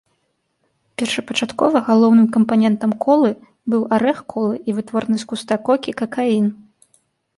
Першапачаткова галоўным кампанентам колы быў арэх колы і вытворны з куста кокі какаін.